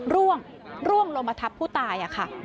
ร่วงลงมาทับผู้ตายค่ะ